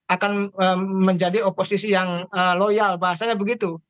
akan menjadi oposisi yang loyal bahasanya begitu